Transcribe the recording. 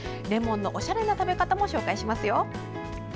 レモンのおしゃれな食べ方も紹介しますよ。